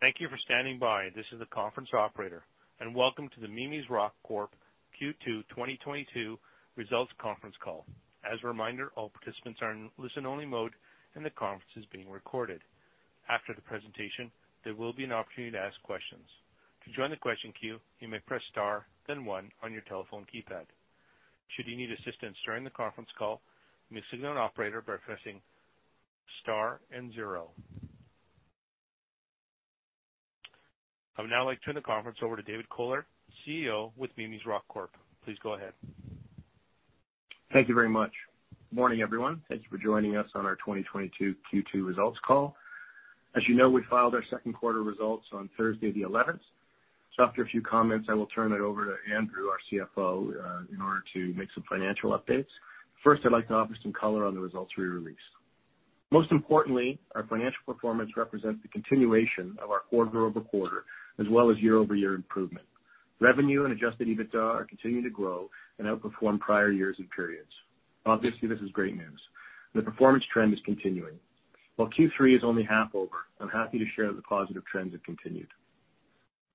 Thank you for standing by. This is the conference operator, and welcome to the Mimi's Rock Corp. Q2 2022 Results Conference Call. As a reminder, all participants are in listen-only mode, and the conference is being recorded. After the presentation, there will be an opportunity to ask questions. To join the question queue, you may press star then one on your telephone keypad. Should you need assistance during the conference call, you may signal an operator by pressing star and zero. I would now like to turn the conference over to Dave Kohler, CEO with Mimi's Rock Corp. Please go ahead. Thank you very much. Morning, everyone. Thank you for joining us on our 2022 Q2 results call. As you know, we filed our second quarter results on Thursday the eleventh. After a few comments, I will turn it over to Andrew, our CFO, in order to make some financial updates. First, I'd like to offer some color on the results we released. Most importantly, our financial performance represents the continuation of our quarter-over-quarter as well as year-over-year improvement. Revenue and adjusted EBITDA are continuing to grow and outperform prior years and periods. Obviously, this is great news. The performance trend is continuing. While Q3 is only half over, I'm happy to share that the positive trends have continued.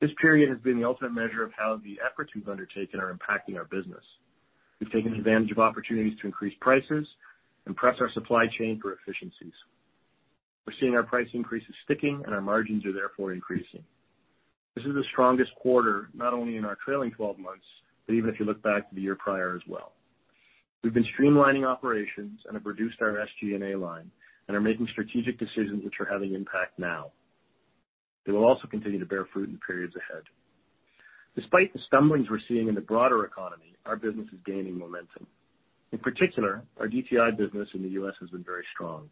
This period has been the ultimate measure of how the efforts we've undertaken are impacting our business. We've taken advantage of opportunities to increase prices and press our supply chain for efficiencies. We're seeing our price increases sticking and our margins are therefore increasing. This is the strongest quarter, not only in our trailing twelve months, but even if you look back the year prior as well. We've been streamlining operations and have reduced our SG&A line and are making strategic decisions which are having impact now. They will also continue to bear fruit in periods ahead. Despite the stumblings we're seeing in the broader economy, our business is gaining momentum. In particular, our DTI business in the US has been very strong.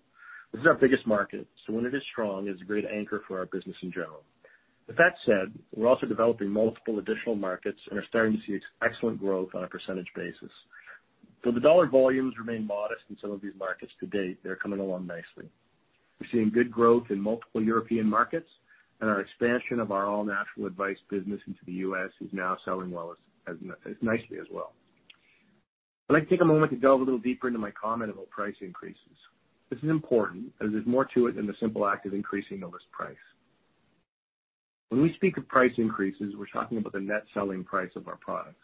This is our biggest market, so when it is strong, it's a great anchor for our business in general. With that said, we're also developing multiple additional markets and are starting to see excellent growth on a percentage basis. Though the dollar volumes remain modest in some of these markets to date, they're coming along nicely. We're seeing good growth in multiple European markets, and our expansion of our All Natural Advice business into the US is now selling well, nicely as well. I'd like to take a moment to delve a little deeper into my comment about price increases. This is important as there's more to it than the simple act of increasing the list price. When we speak of price increases, we're talking about the net selling price of our products.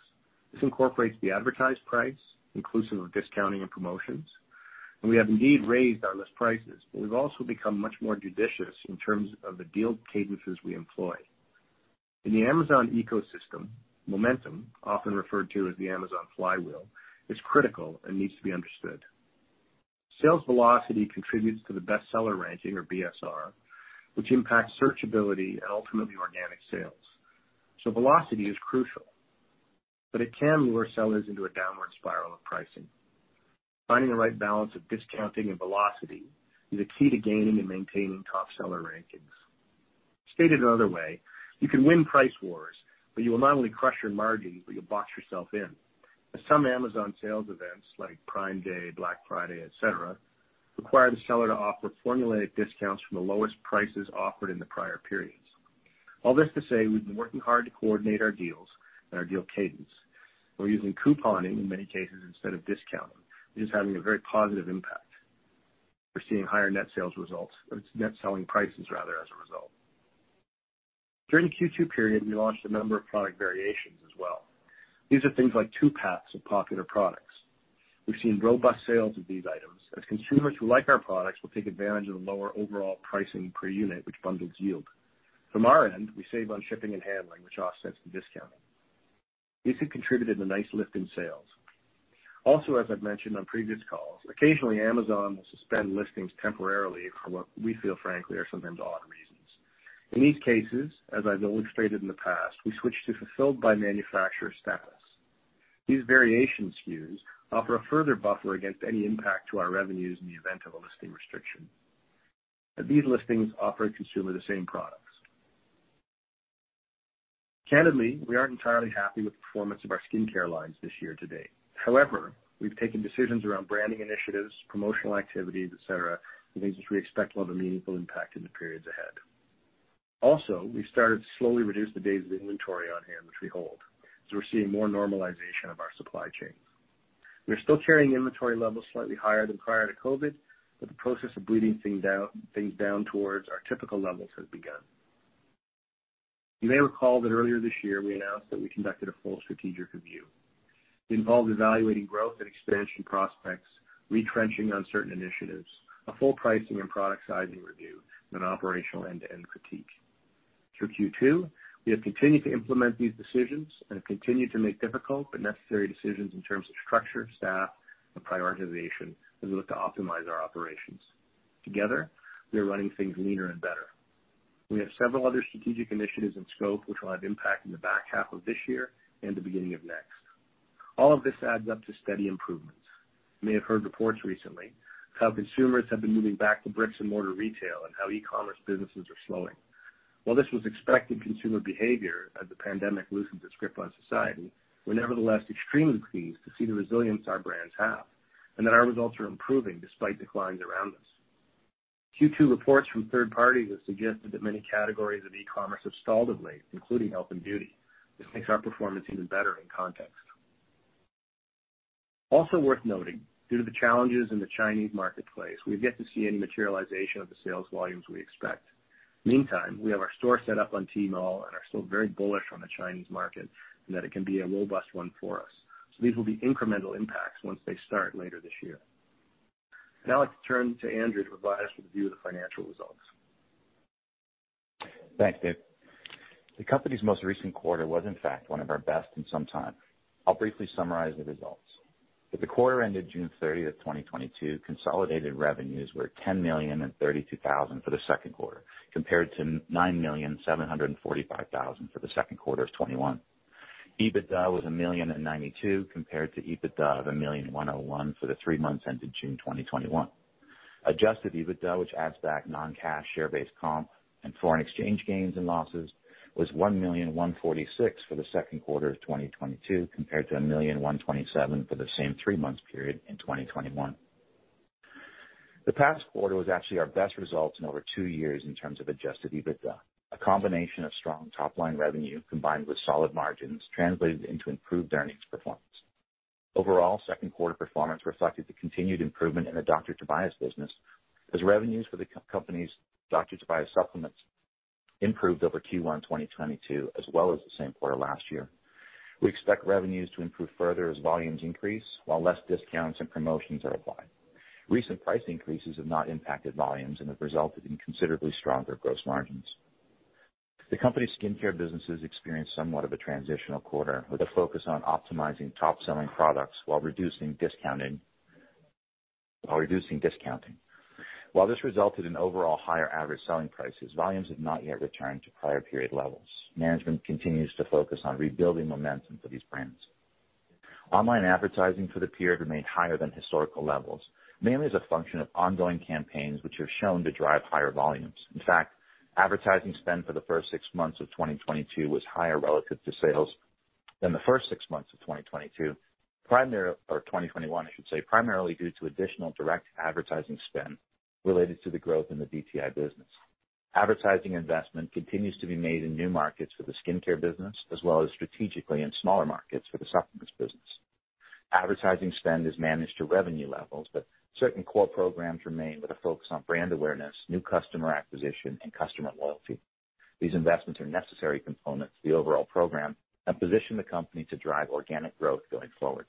This incorporates the advertised price, inclusive of discounting and promotions. We have indeed raised our list prices, but we've also become much more judicious in terms of the deal cadences we employ. In the Amazon ecosystem, momentum, often referred to as the Amazon Flywheel, is critical and needs to be understood. Sales velocity contributes to the bestseller ranking or BSR, which impacts searchability and ultimately organic sales. Velocity is crucial, but it can lure sellers into a downward spiral of pricing. Finding the right balance of discounting and velocity is a key to gaining and maintaining top seller rankings. Stated another way, you can win price wars, but you will not only crush your margins, but you'll box yourself in. Some Amazon sales events like Prime Day, Black Friday, et cetera, require the seller to offer formulated discounts from the lowest prices offered in the prior periods. All this to say, we've been working hard to coordinate our deals and our deal cadence. We're using couponing in many cases instead of discounting. It is having a very positive impact. We're seeing higher net sales results or net selling prices rather as a result. During the Q2 period, we launched a number of product variations as well. These are things like two packs of popular products. We've seen robust sales of these items as consumers who like our products will take advantage of the lower overall pricing per unit, which bundles yield. From our end, we save on shipping and handling, which offsets the discounting. This has contributed to a nice lift in sales. Also, as I've mentioned on previous calls, occasionally Amazon will suspend listings temporarily for what we feel, frankly, are sometimes odd reasons. In these cases, as I've illustrated in the past, we switch to fulfilled by merchant status. These variation SKUs offer a further buffer against any impact to our revenues in the event of a listing restriction. These listings offer a consumer the same products. Candidly, we aren't entirely happy with the performance of our skincare lines this year to date. However, we've taken decisions around branding initiatives, promotional activities, et cetera, and things which we expect will have a meaningful impact in the periods ahead. Also, we started to slowly reduce the days of inventory on hand, which we hold, as we're seeing more normalization of our supply chain. We're still carrying inventory levels slightly higher than prior to COVID, but the process of bleeding things down towards our typical levels has begun. You may recall that earlier this year, we announced that we conducted a full strategic review. It involved evaluating growth and expansion prospects, retrenching on certain initiatives, a full pricing and product sizing review, and an operational end-to-end critique. Through Q2, we have continued to implement these decisions and have continued to make difficult but necessary decisions in terms of structure, staff, and prioritization as we look to optimize our operations. Together, we are running things leaner and better. We have several other strategic initiatives in scope, which will have impact in the back half of this year and the beginning of next. All of this adds up to steady improvements. You may have heard reports recently how consumers have been moving back to bricks and mortar retail and how e-commerce businesses are slowing. While this was expected consumer behavior as the pandemic loosens its grip on society, we're nevertheless extremely pleased to see the resilience our brands have and that our results are improving despite declines around us. Q2 reports from third parties have suggested that many categories of e-commerce have stalled of late, including health and beauty. This makes our performance even better in context. Also worth noting, due to the challenges in the Chinese marketplace, we've yet to see any materialization of the sales volumes we expect. Meantime, we have our store set up on Tmall and are still very bullish on the Chinese market and that it can be a robust one for us. So these will be incremental impacts once they start later this year. Now let's turn to Andrew to provide us with a view of the financial results. Thanks, Dave. The company's most recent quarter was in fact one of our best in some time. I'll briefly summarize the results. For the quarter ended June 30, 2022, consolidated revenues were 10,032,000 for the second quarter, compared to 9,745,000 for the second quarter of 2021. EBITDA was 1,092,000 compared to EBITDA of 1,101,000 for the three months ended June 2021. Adjusted EBITDA, which adds back non-cash share-based comp and foreign exchange gains and losses, was 1,146,000 for the second quarter of 2022 compared to 1,127,000 for the same three-month period in 2021. The past quarter was actually our best results in over two years in terms of adjusted EBITDA. A combination of strong top-line revenue combined with solid margins translated into improved earnings performance. Overall, second quarter performance reflected the continued improvement in the Dr. Tobias business as revenues for the company's Dr. Tobias supplements improved over Q1 2022 as well as the same quarter last year. We expect revenues to improve further as volumes increase while less discounts and promotions are applied. Recent price increases have not impacted volumes and have resulted in considerably stronger gross margins. The company's skincare businesses experienced somewhat of a transitional quarter, with a focus on optimizing top selling products while reducing discounting. While this resulted in overall higher average selling prices, volumes have not yet returned to prior period levels. Management continues to focus on rebuilding momentum for these brands. Online advertising for the period remained higher than historical levels, mainly as a function of ongoing campaigns which have shown to drive higher volumes. In fact, advertising spend for the first six months of 2022 was higher relative to sales than the first six months of 2022, or 2021, I should say, primarily due to additional direct advertising spend related to the growth in the DTI business. Advertising investment continues to be made in new markets for the skincare business as well as strategically in smaller markets for the supplements business. Advertising spend is managed to revenue levels, but certain core programs remain with a focus on brand awareness, new customer acquisition and customer loyalty. These investments are necessary components to the overall program and position the company to drive organic growth going forward.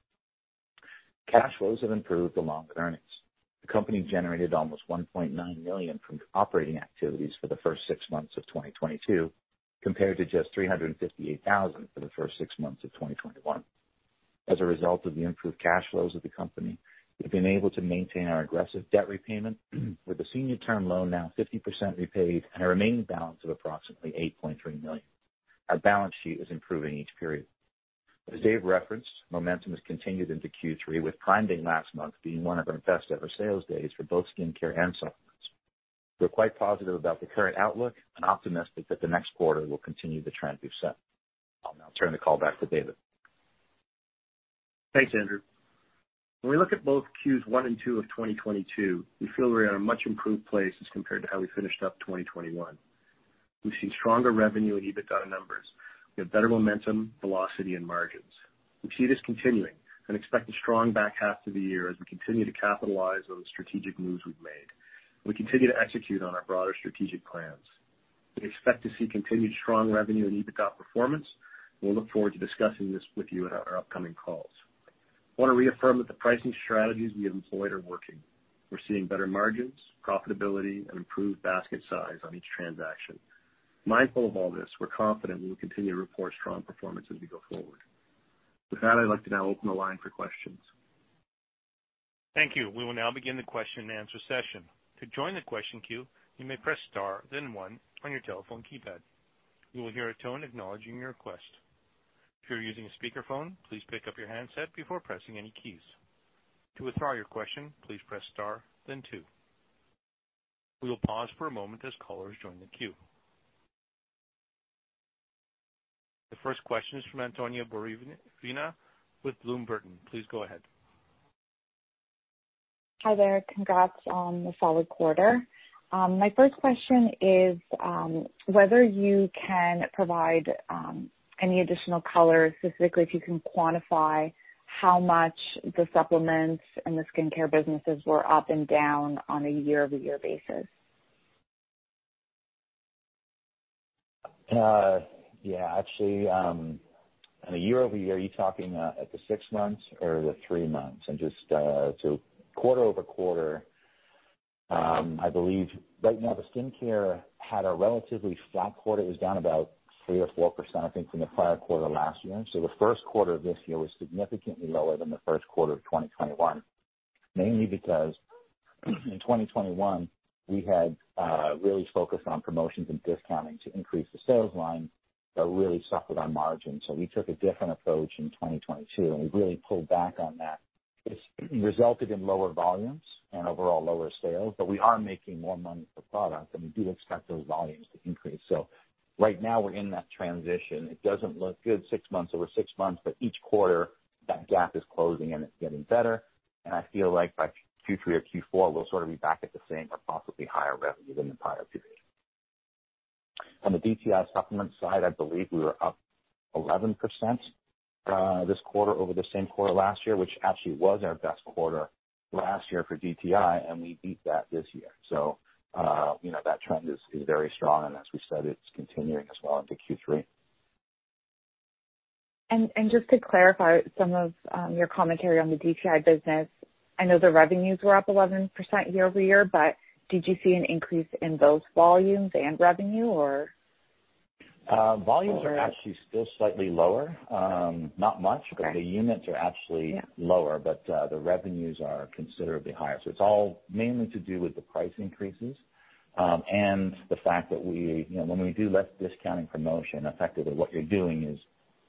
Cash flows have improved along with earnings. The company generated almost 1.9 million from operating activities for the first six months of 2022, compared to just 358,000 for the first six months of 2021. As a result of the improved cash flows of the company, we've been able to maintain our aggressive debt repayment, with the senior term loan now 50% repaid and a remaining balance of approximately 8.3 million. Our balance sheet is improving each period. As Dave referenced, momentum has continued into Q3, with Prime Day last month being one of our best ever sales days for both skincare and supplements. We're quite positive about the current outlook and optimistic that the next quarter will continue the trend we've set. I'll now turn the call back to Dave. Thanks, Andrew. When we look at both Q1 and Q2 of 2022, we feel we're in a much improved place as compared to how we finished up 2021. We've seen stronger revenue and EBITDA numbers. We have better momentum, velocity and margins. We see this continuing and expect a strong back half to the year as we continue to capitalize on the strategic moves we've made. We continue to execute on our broader strategic plans. We expect to see continued strong revenue and EBITDA performance. We'll look forward to discussing this with you in our upcoming calls. Want to reaffirm that the pricing strategies we have employed are working. We're seeing better margins, profitability and improved basket size on each transaction. Mindful of all this, we're confident we will continue to report strong performance as we go forward. With that, I'd like to now open the line for questions. Thank you. We will now begin the question and answer session. To join the question queue, you may press star, then one on your telephone keypad. You will hear a tone acknowledging your request. If you're using a speakerphone, please pick up your handset before pressing any keys. To withdraw your question, please press star then two. We will pause for a moment as callers join the queue. The first question is from Antonia Borovina with Bloom Burton & Co. Please go ahead. Hi there. Congrats on the solid quarter. My first question is whether you can provide any additional color, specifically if you can quantify how much the supplements and the skincare businesses were up and down on a year-over-year basis? On a year-over-year, are you talking at the six months or the three months? Quarter-over-quarter, I believe right now the skincare had a relatively flat quarter. It was down about 3% or 4%, I think, from the prior quarter last year. The first quarter of this year was significantly lower than the first quarter of 2021. Mainly because in 2021, we had really focused on promotions and discounting to increase the sales line that really suffered on margin. We took a different approach in 2022, and we really pulled back on that. It's resulted in lower volumes and overall lower sales, but we are making more money per product, and we do expect those volumes to increase. Right now we're in that transition. It doesn't look good six months over six months, but each quarter that gap is closing and it's getting better. I feel like by Q3 or Q4 we'll sort of be back at the same or possibly higher revenue than the prior period. On the DTI supplement side, I believe we were up 11% this quarter over the same quarter last year, which actually was our best quarter last year for DTI, and we beat that this year. You know, that trend is very strong, and as we said, it's continuing as well into Q3. Just to clarify some of your commentary on the DTI business. I know the revenues were up 11% year-over-year, but did you see an increase in both volumes and revenue, or? Volumes are actually still slightly lower. Not much. Okay. The units are actually. Yeah. lower, but the revenues are considerably higher. It's all mainly to do with the price increases, and the fact that we, you know, when we do less discount and promotion, effectively what you're doing is,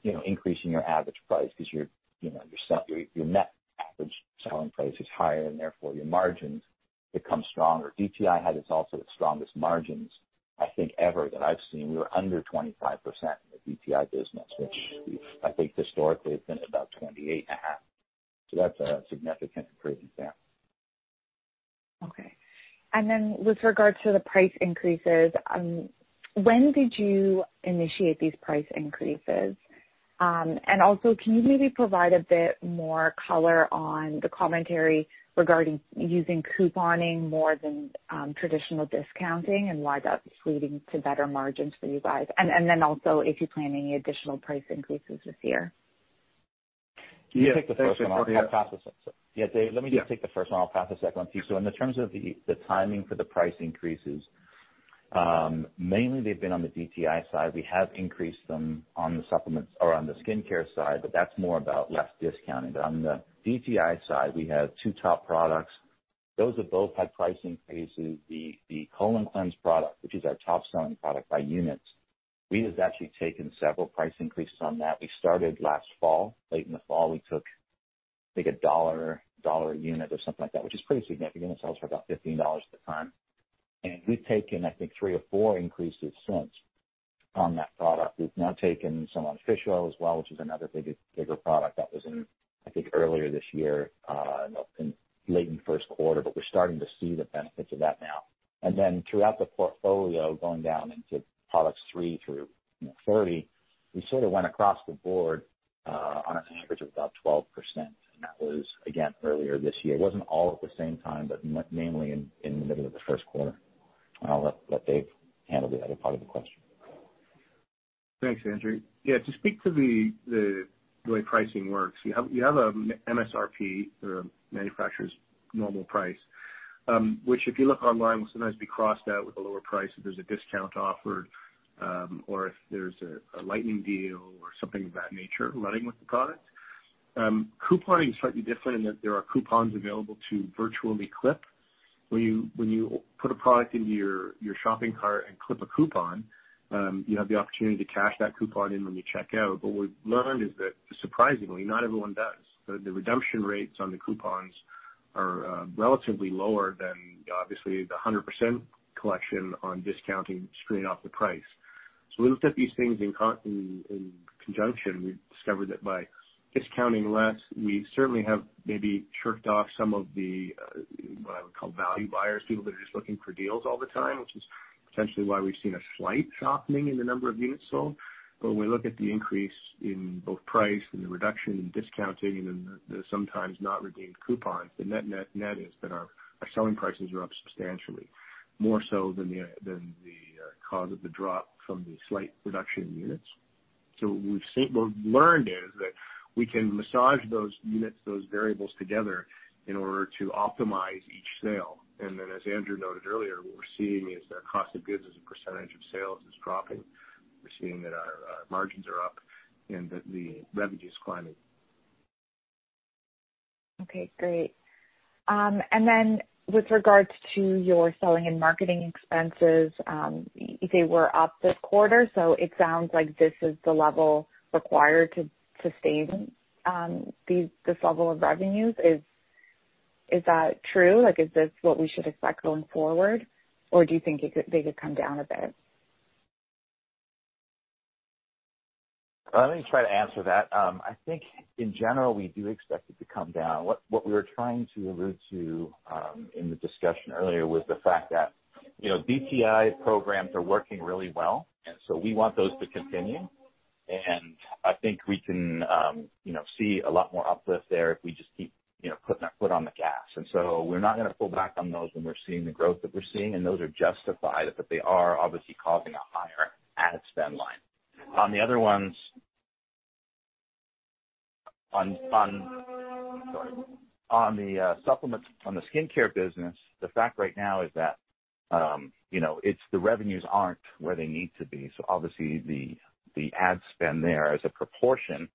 you know, increasing your average price because you're, you know, your net average selling price is higher and therefore your margins become stronger. DTI had its strongest margins I think ever that I've seen. We were under 25% in the DTI business, which I think historically it's been about 28.5%. That's a significant improvement there. Okay. With regard to the price increases, when did you initiate these price increases? Can you maybe provide a bit more color on the commentary regarding using couponing more than traditional discounting and why that is leading to better margins for you guys? If you plan any additional price increases this year. Yeah. Let me take the first one. I'll pass the second one to you. In terms of the timing for the price increases, mainly they've been on the DTI side. We have increased them on the supplements or on the skincare side, but that's more about less discounting. On the DTI side, we have two top products. Those have both had pricing increases. The colon cleanse product, which is our top selling product by units, we have actually taken several price increases on that. We started last fall. Late in the fall, we took, I think, $1 a unit or something like that, which is pretty significant. It sells for about $15 at the time. We've taken, I think, three or four increases since on that product. We've now taken some on fish oil as well, which is another bigger product that was in, I think, earlier this year in late first quarter, but we're starting to see the benefits of that now. Then throughout the portfolio, going down into products three through 30, we sort of went across the board on an average of about 12%. That was again earlier this year. It wasn't all at the same time, but mainly in the middle of the first quarter. I'll let Dave handle the other part of the question. Thanks, Andrew. Yeah, to speak to the way pricing works, you have a MSRP or manufacturer's normal price, which if you look online will sometimes be crossed out with a lower price if there's a discount offered, or if there's a lightning deal or something of that nature running with the product. Couponing is slightly different in that there are coupons available to virtually clip. When you put a product into your shopping cart and clip a coupon, you have the opportunity to cash that coupon in when you check out. What we've learned is that surprisingly, not everyone does. The redemption rates on the coupons are relatively lower than obviously the 100% collection on discounting straight off the price. We looked at these things in conjunction. We've discovered that by discounting less, we certainly have maybe chipped off some of the, what I would call value buyers, people that are just looking for deals all the time, which is potentially why we've seen a slight softening in the number of units sold. When we look at the increase in both price and the reduction in discounting and in the sometimes not redeemed coupons, the net-net-net is that our selling prices are up substantially, more so than the cause of the drop from the slight reduction in units. What we've seen, what we've learned is that we can massage those units, those variables together in order to optimize each sale. As Andrew noted earlier, what we're seeing is that cost of goods as a percentage of sales is dropping. We're seeing that our margins are up and that the revenue is climbing. Okay, great. Then with regards to your selling and marketing expenses, they were up this quarter. It sounds like this is the level required to sustain this level of revenues. Is that true? Like, is this what we should expect going forward? Or do you think they could come down a bit? Let me try to answer that. I think in general, we do expect it to come down. What we were trying to allude to in the discussion earlier was the fact that, you know, DTI programs are working really well, and so we want those to continue. I think we can, you know, see a lot more uplift there if we just keep, you know, putting our foot on the gas. We're not gonna pull back on those when we're seeing the growth that we're seeing, and those are justified, but they are obviously causing a higher ad spend line. On the other ones, on the supplements, on the skincare business, the fact right now is that, you know, it's the revenues aren't where they need to be. Obviously the ad spend there as a proportion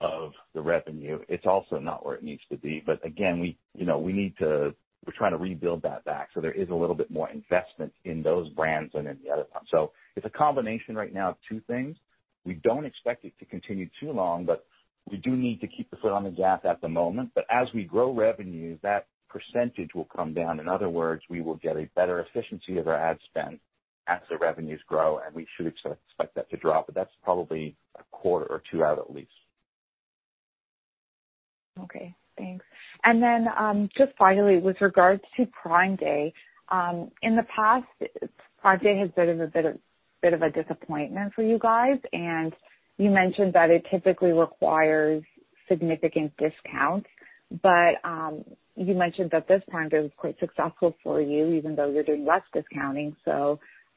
of the revenue, it's also not where it needs to be. Again, you know, we're trying to rebuild that back. There is a little bit more investment in those brands than in the other ones. It's a combination right now of two things. We don't expect it to continue too long, but we do need to keep the foot on the gas at the moment. As we grow revenue, that percentage will come down. In other words, we will get a better efficiency of our ad spend as the revenues grow, and we should expect that to drop, but that's probably a quarter or two out at least. Okay, thanks. Just finally, with regards to Prime Day, in the past, Prime Day has been a bit of a disappointment for you guys, and you mentioned that it typically requires significant discounts. You mentioned that this Prime Day was quite successful for you, even though you're doing less discounting.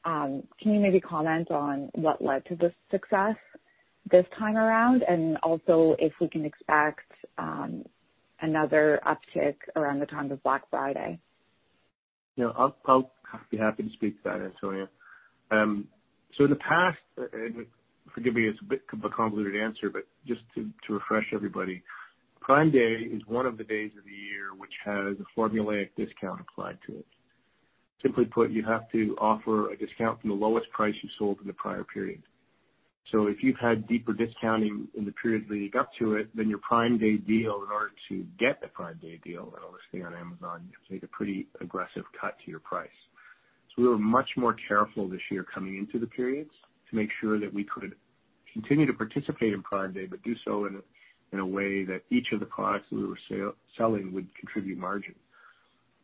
Can you maybe comment on what led to the success this time around? If we can expect another uptick around the time of Black Friday? Yeah. I'll be happy to speak to that, Antonia. In the past, and forgive me, it's a bit of a convoluted answer, but just to refresh everybody, Prime Day is one of the days of the year which has a formulaic discount applied to it. Simply put, you have to offer a discount from the lowest price you sold in the prior period. If you've had deeper discounting in the period leading up to it, then your Prime Day deal, in order to get the Prime Day deal and all this thing on Amazon, you have to make a pretty aggressive cut to your price. We were much more careful this year coming into the periods to make sure that we could continue to participate in Prime Day, but do so in a way that each of the products we were selling would contribute margin.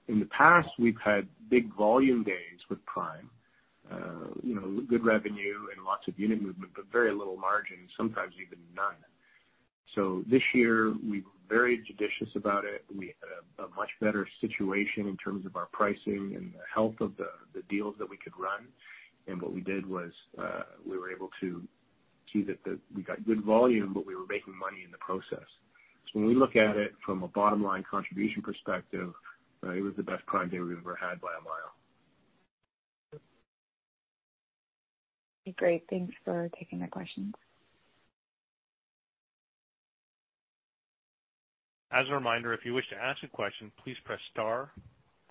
In the past, we've had big volume days with Prime, you know, good revenue and lots of unit movement, but very little margin, sometimes even none. This year, we were very judicious about it. We had a much better situation in terms of our pricing and the health of the deals that we could run. What we did was, we were able to see that we got good volume, but we were making money in the process. When we look at it from a bottom-line contribution perspective, it was the best Prime Day we've ever had by a mile. Great. Thanks for taking my questions. As a reminder, if you wish to ask a question, please press star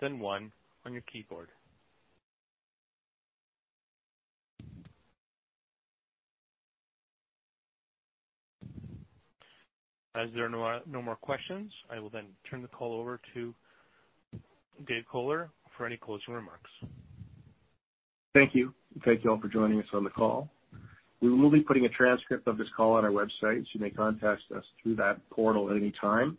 then one on your keyboard. As there are no more questions, I will then turn the call over to Dave Kohler for any closing remarks. Thank you. Thank you all for joining us on the call. We will be putting a transcript of this call on our website, so you may contact us through that portal at any time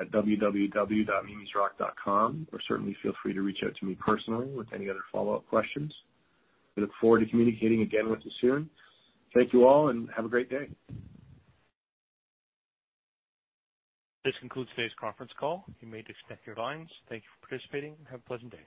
at www.mimisrock.com, or certainly feel free to reach out to me personally with any other follow-up questions. We look forward to communicating again with you soon. Thank you all, and have a great day. This concludes today's conference call. You may disconnect your lines. Thank you for participating and have a pleasant day.